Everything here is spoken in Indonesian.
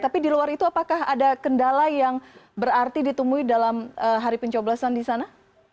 tapi di luar itu apakah ada kendala yang berarti ditemui dalam hari pencoblosan di sana